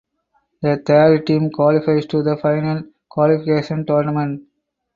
The third team qualifies to the Final qualification tournament.